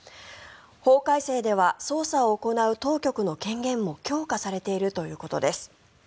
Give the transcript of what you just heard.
法改正では捜査を行う当局の権限も強化されているということです。